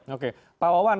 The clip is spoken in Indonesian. oke pak wawan